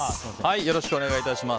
よろしくお願いします。